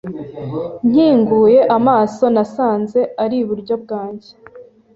Nkinguye amaso, nasanze ari iburyo bwanjye.